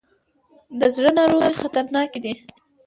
د زړه ناروغۍ خطرناکې دي.